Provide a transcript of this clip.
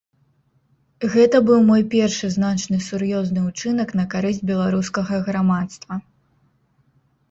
Гэта быў мой першы значны сур'ёзны ўчынак на карысць беларускага грамадства.